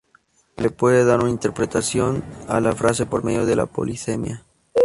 Se le puede dar una interpretación a la frase por medio de la polisemia.